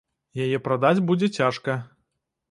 Яе прадаць будзе цяжка.